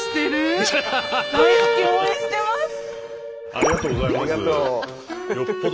ありがとうございます。